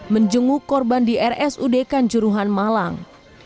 menjenguk korban di rs ud kanjuruhan malang